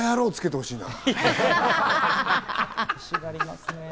欲しがりますね。